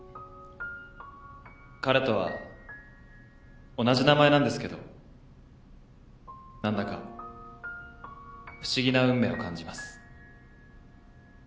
彼とは同じ名前なんですけど何だか不思議な運命を感じます。